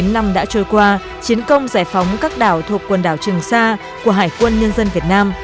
bốn mươi năm đã trôi qua chiến công giải phóng các đảo thuộc quần đảo trường sa của hải quân nhân dân việt nam